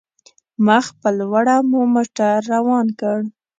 مخ په لوړه مو موټر روان کړ.